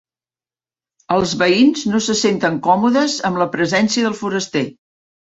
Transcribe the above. Els veïns no se senten còmodes amb la presència del foraster.